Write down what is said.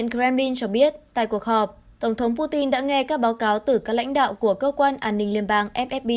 kremlin cho biết tại cuộc họp tổng thống putin đã nghe các báo cáo từ các lãnh đạo của cơ quan an ninh liên bang fsb